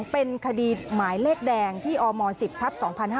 เป็นคดีหมายเลขแดงที่อม๑๐ทัพ๒๕๕๙